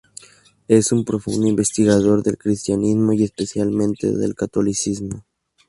Es un profundo investigador del cristianismo y especialmente del catolicismo.